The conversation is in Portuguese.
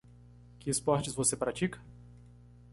Que esportes você pratica?